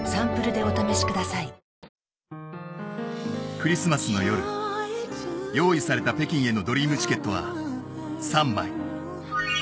クリスマスの夜用意された北京へのドリームチケットは３枚。